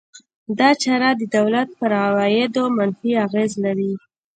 دا چاره د دولت پر عوایدو منفي اغېز لري.